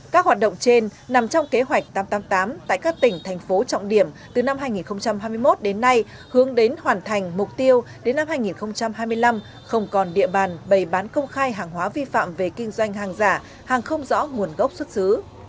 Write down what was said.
các hoạt động trên nằm trong kế hoạch tám trăm tám mươi tám tại các tỉnh thành phố trọng điểm từ năm hai nghìn hai mươi một đến nay hướng đến hoàn thành mục tiêu đến năm hai nghìn hai mươi năm không còn địa bàn bày bán công khai hàng hóa vi phạm về kinh doanh hàng giả hàng không rõ nguồn gốc xuất xứ